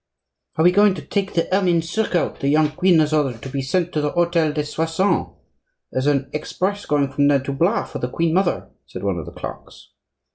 "Are we going to take the ermine surcoat the young queen has ordered to be sent to the hotel des Soissons? there's an express going from there to Blois for the queen mother," said one of the clerks.